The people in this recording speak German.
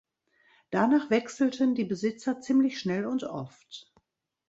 Danach wechselten die Besitzer ziemlich schnell und oft.